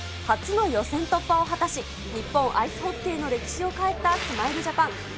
初の予選突破を果たし、日本アイスホッケーの歴史を変えたスマイルジャパン。